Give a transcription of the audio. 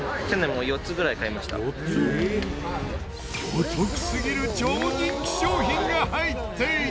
お得すぎる超人気商品が入っていた！